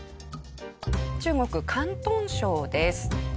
中国広東省です。